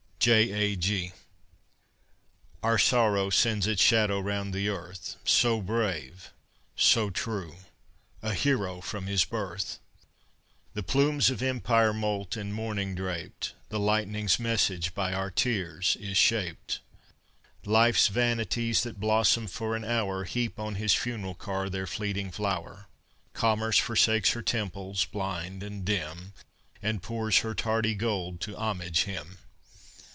J. A. G. Our sorrow sends its shadow round the earth. So brave, so true! A hero from his birth! The plumes of Empire moult, in mourning draped, The lightning's message by our tears is shaped. Life's vanities that blossom for an hour Heap on his funeral car their fleeting flower. Commerce forsakes her temples, blind and dim, And pours her tardy gold, to homage him.